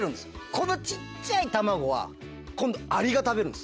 この小っちゃい卵は今度アリが食べるんです。